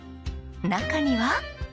中には。